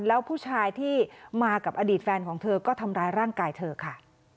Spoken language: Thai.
แล้วผู้ชายที่มากับอดีตแฟนของเธอก็ทำร้ายร่างกายเธอค่ะ